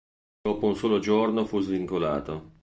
Dopo un solo giorno fu svincolato.